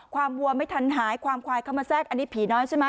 วัวไม่ทันหายความควายเข้ามาแทรกอันนี้ผีน้อยใช่ไหม